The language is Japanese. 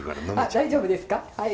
大丈夫ですかはい。